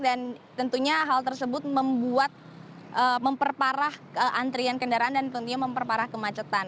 dan tentunya hal tersebut membuat memperparah antrian kendaraan dan tentunya memperparah kemacetan